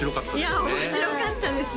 いや面白かったですね